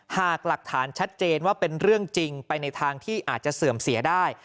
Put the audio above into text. หากหลักฐานชัดเจนว่าเป็นเรื่องจริงไปในทางที่อาจจะเสื่อมเสียได้